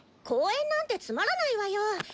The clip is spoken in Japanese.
公園なんてつまらないわよ。